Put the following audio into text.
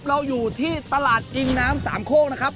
เราอยู่ที่ตลาดอิงน้ำสามโคกนะครับ